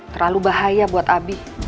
terlalu bahaya buat abi